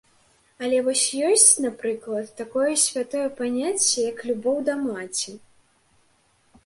Але вось ёсць, напрыклад, такое святое паняцце, як любоў да маці.